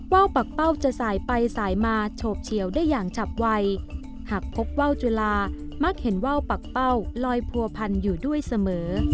วปักเป้าจะสายไปสายมาโฉบเฉียวได้อย่างฉับไวหากพบว่าวจุลามักเห็นว่าวปักเป้าลอยผัวพันอยู่ด้วยเสมอ